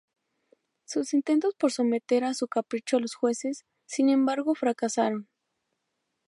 Sus intentos por someter a su capricho a los jueces, sin embargo, fracasaron.